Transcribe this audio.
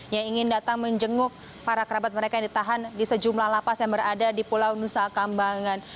yang ingin datang menjenguk para kerabat mereka yang ditahan di sejumlah lapas yang berada di pulau nusa kambangan